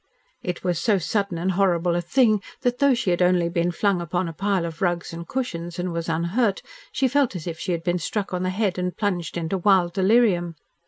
It was so sudden and horrible a thing that, though she had only been flung upon a pile of rugs and cushions and was unhurt, she felt as if she had been struck on the head and plunged into wild delirium.